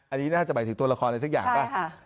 อันนี้น่าจะหมายถึงตัวละครอะไรสักอย่างป่ะ